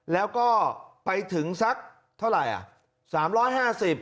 แล้วก็ไปถึงสักเท่าไหร่อ่ะ